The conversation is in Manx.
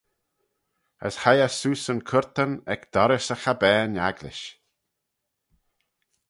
As hoie eh seose yn curtan ec dorrys y chabbane agglish.